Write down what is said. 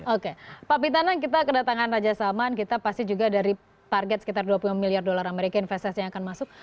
oke pak pitanang kita kedatangan raja salman kita pasti juga dari target sekitar dua puluh miliar dolar amerika investasi yang akan masuk